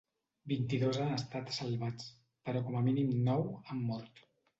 Vint-i-dos han estat salvats però com a mínim nou han mort.